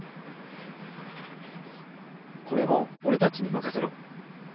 これもおれたちにまかせろ！